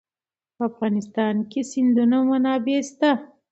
په افغانستان کې د سیندونه منابع شته.